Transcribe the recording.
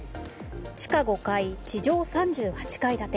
地下５階地上３８階建て。